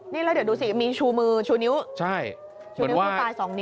นี่ละเดวดูสิมีชูมือชูนิ้วช์วนิ้วพาตายสองนิ้ว